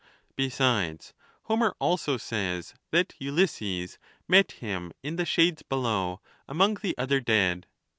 Besides, Homer also says that Ulysses' met him in the shades below, among the other dead.